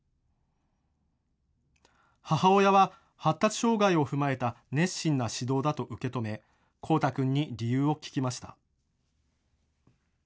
母親は発達障害を踏まえた熱心な指導だと受け止めコウタ君に理由を聞きました。